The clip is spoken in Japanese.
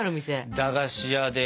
駄菓子屋で。